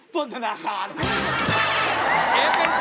ปริสุทธิภัณฑ์